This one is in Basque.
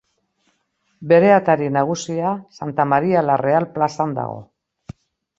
Bere atari nagusia Santa Maria la Real plazan dago.